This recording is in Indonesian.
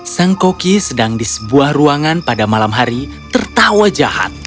sang koki sedang di sebuah ruangan pada malam hari tertawa jahat